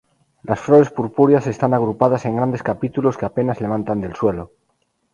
Las flores purpúreas están agrupadas en grandes capítulos que apenas levantan del suelo.